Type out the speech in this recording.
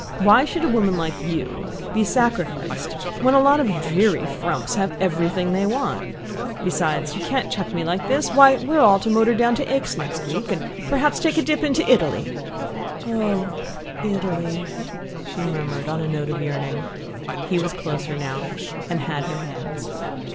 Why should a woman like you be sacrificed when a lot of dreary frumps have everything they want? Besides, you can't chuck me like this! Why, we're all to motor down to Aix next week, and perhaps take a dip into Italy " "OH, ITALY " she murmured on a note of yearning. He was closer now, and had her hands.